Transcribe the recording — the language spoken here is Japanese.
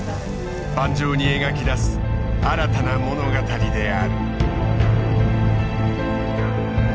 盤上に描き出す新たな物語である。